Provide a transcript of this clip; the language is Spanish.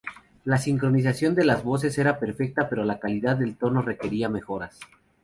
La sincronización de las voces era perfecta pero la calidad del tono requería mejoras.